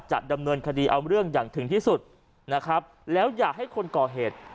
จะดำเนินคดีเอาเรื่องอย่างถึงที่สุดนะครับแล้วอยากให้คนก่อเหตุ